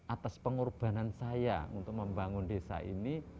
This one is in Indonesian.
atas pengorbanan saya untuk membangun desa ini